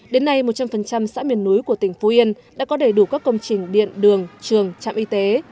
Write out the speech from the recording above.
đến nay một trăm linh xã miền núi của tỉnh phú yên đã có đầy đủ các công trình điện đường trường trạm y tế